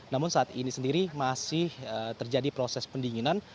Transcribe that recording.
namun saat ini sendiri masih terjadi proses pendinginan